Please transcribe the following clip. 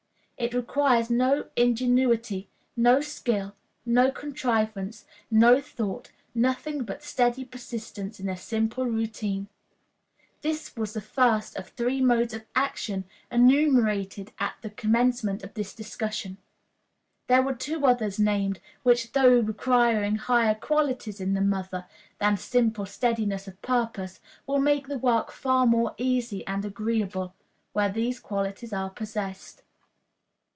It requires no ingenuity, no skill, no contrivance, no thought nothing but steady persistence in a simple routine. This was the first of the three modes of action enumerated at the commencement of this discussion. There were two others named, which, though requiring higher qualities in the mother than simple steadiness of purpose, will make the work far more easy and agreeable, where these qualities are possessed.